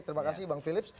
terima kasih bang philip